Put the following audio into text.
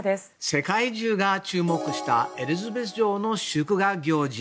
世界中が注目したエリザベス女王の祝賀行事。